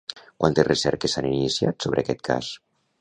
Quantes recerques s'han iniciat sobre aquest cas?